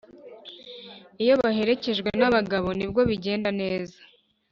Iyo baherekejwe na bagabo nibwo bigenda neza